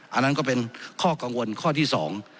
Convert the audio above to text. อันนั้นก็เป็นข้อกังวลข้อที่สอง